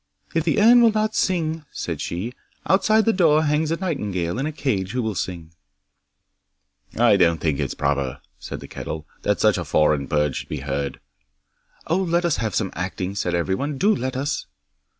'"If the urn will not sing," said she, "outside the door hangs a nightingale in a cage who will sing." '"I don't think it's proper," said the kettle, "that such a foreign bird should be heard." '"Oh, let us have some acting," said everyone. "Do let us!"